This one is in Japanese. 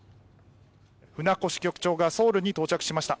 船越局長がソウルに到着しました。